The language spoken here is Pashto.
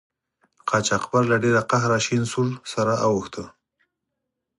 قاچاقبر له ډیره قهره شین سور سره اوښته.